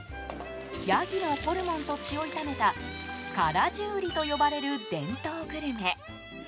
ヤギのホルモンと血を炒めたカラジュウリと呼ばれる伝統グルメ。